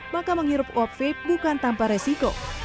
maka menghirup uap fim bukan tanpa resiko